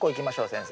先生。